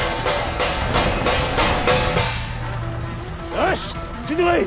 よしついてこい！